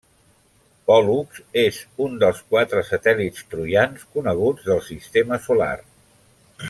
Pòl·lux és un dels quatre satèl·lits troians coneguts del sistema solar.